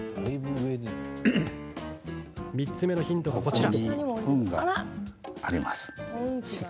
３つ目のヒントが、こちら。